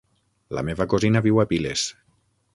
La meva cosina viu a Piles.